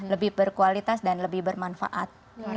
lebih berkualitas dan lebih bermanfaat